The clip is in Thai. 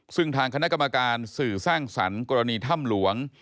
ซึ่งทางคณะกรรมการสื่อสร้างสรรค์กรณีถ้ำหลวง